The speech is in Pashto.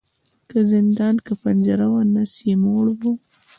که زندان که پنجره وه نس یې موړ وو